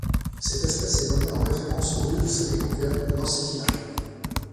Cette espèce est nommée en référence au lieu de sa découverte, Lancetilla.